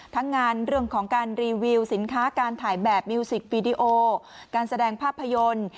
ทั้งงานเรื่องของการรีวิวสินค้าการถ่ายแบบมิวสิกวีดีโอการแสดงภาพยนตร์